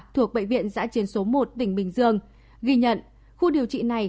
thuộc bệnh viện giã chiến số một tỉnh bình dương ghi nhận khu điều trị này